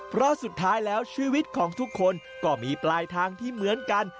เพราะสุดท้ายแล้วชีวิตของทุกคนก็มีปลายทางที่เหมือนกัน